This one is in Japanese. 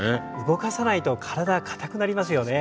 動かさないと体硬くなりますよね。